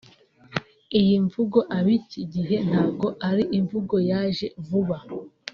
Iyi mvugo “ab’iki gihe” ntago ari imvugo yaje vuba